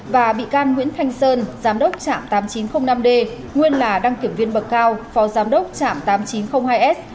và bị can nguyễn thanh sơn giám đốc trạm tám nghìn chín trăm linh năm d